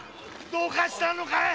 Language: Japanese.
どうかしたかい！